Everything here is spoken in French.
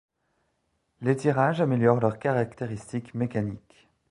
L'étirage améliore leurs caractéristiques mécaniques.